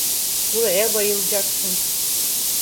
Buraya bayılacaksın.